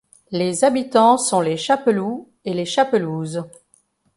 Les habitants sont les Chapeloux et les Chapelouses.